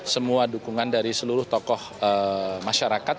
semua dukungan dari seluruh tokoh masyarakat